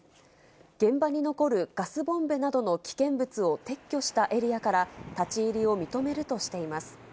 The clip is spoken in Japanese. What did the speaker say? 現場に残るガスボンベなどの危険物を撤去したエリアから、立ち入りを認めるとしています。